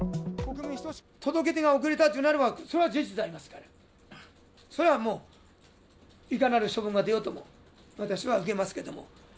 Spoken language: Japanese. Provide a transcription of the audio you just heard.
届け出が遅れたというならば、それは事実でありますから、それはもう、いかなる処分が出ようとも、私は受けますけども。